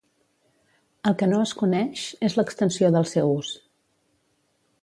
El que no es coneix és l'extensió del seu ús.